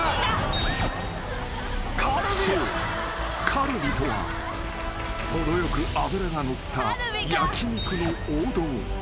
カルビとは程よく脂が乗った焼き肉の王道］